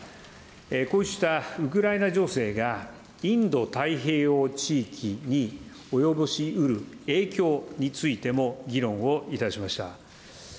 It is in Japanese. こうしたウクライナ情勢が、インド太平洋地域に及ぼしうる影響についても議論をいたしました。